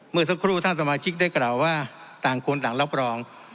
เมื่อสักครู่ท่านสมาชิกได้กล่าวว่าต่างคนต่างรับรอง